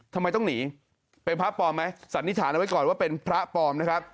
ทำไมต้องหนีเป็นพระปลอมไหมสันนิษฐานเอาไว้ก่อนว่าเป็นพระปลอมนะครับ